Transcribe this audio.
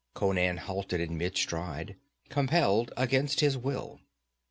Conan halted in mid stride, compelled against his will.